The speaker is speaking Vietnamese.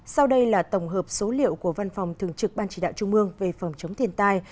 sau đây là tổng hợp số liệu của văn phòng thường trực ban chỉ đạo trung mương về phòng chống thiên tai